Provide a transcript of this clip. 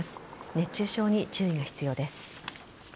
熱中症に注意が必要です。